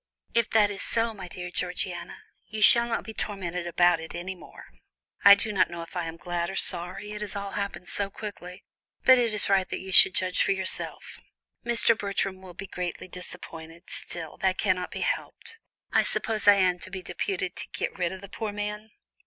"If that is so, my dear Georgiana, you shall not be tormented about it any more. I do not know if I am glad or sorry, it has all happened so quickly, but it is right that you should judge for yourself. Mr. Bertram will be greatly disappointed, still, that cannot be helped. I suppose I am to be deputed to get rid of the poor man."